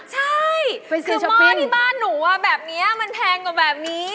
ใช่ซื้อหม้อในบ้านหนูอะแบบนี้มันแพงกว่าแบบนี้